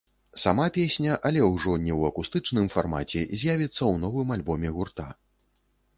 Сама песня, але ўжо не ў акустычным фармаце, з'явіцца ў новым альбоме гурта.